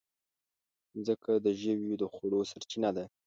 مځکه د ژويو د خوړو سرچینه ده.